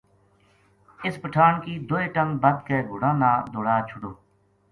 اِس پٹھان کی دوئے ٹنگ بَد کے گھوڑاں نا دوڑا چھوڈو ‘‘